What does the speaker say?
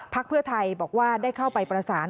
เพื่อไทยบอกว่าได้เข้าไปประสาน